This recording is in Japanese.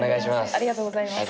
ありがとうございます